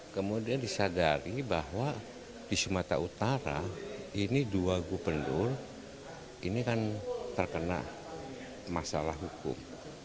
kemudian disadari bahwa di sumatera utara ini dua gubernur ini kan terkena masalah hukum